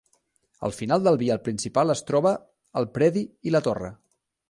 Al final del vial principal es troba el predi i la torre.